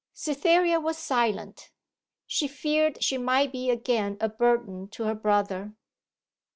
Cytherea was silent. She feared she might be again a burden to her brother.